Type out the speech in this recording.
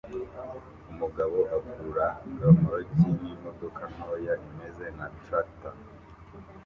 Umugabo akurura romoruki n'imodoka ntoya imeze nka traktor